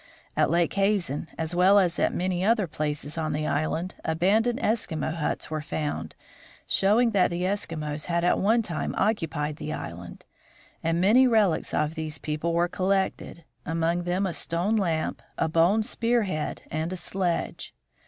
At Lake Hazen, as well as at many other places on the island, abandoned Eskimo huts were found, showing that the Eskimos had at one time occupied the island ; and many relics of these people were collected, among them a stone lamp, a bone spear head, and a sledge.